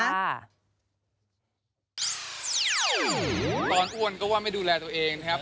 ตอนอ้วนก็ว่าไม่ดูแลตัวเองนะครับ